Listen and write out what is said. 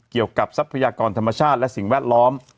ทรัพยากรธรรมชาติและสิ่งแวดล้อม